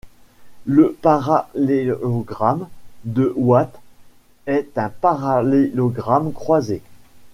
Le parallélogramme de Watt est un parallélogramme croisé.